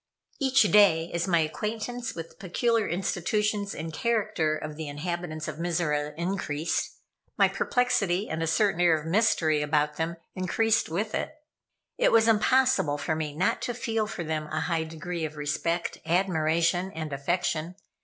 Each day, as my acquaintance with the peculiar institutions and character of the inhabitants of Mizora increased, my perplexity and a certain air of mystery about them increased with it. It was impossible for me not to feel for them a high degree of respect, admiration, and affection.